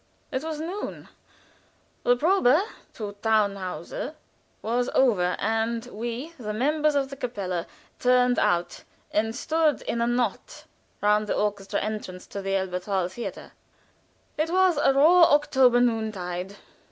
It was noon. The probe to "Tannhauser" was over, and we, the members of the kapelle, turned out, and stood in a knot around the orchestra entrance to the Elberthal Theater. It was a raw October noontide.